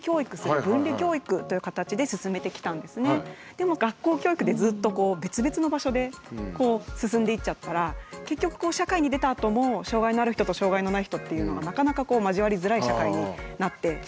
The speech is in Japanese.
でも学校教育でずっと別々の場所で進んでいっちゃったら結局社会に出たあとも障害のある人と障害のない人っていうのがなかなか交わりづらい社会になってしまいますよね。